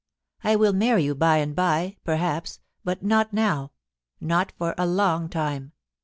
I will marry you by and by, perhaps, but not now — not for a long time.